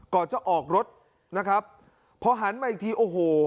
ก่อนจะออกรถนะครับพอหันมาอีกทีโอ้โห